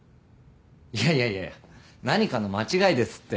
いやいやいやいや何かの間違いですって。